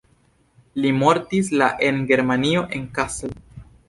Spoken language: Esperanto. Li mortis la en Germanio en Kassel.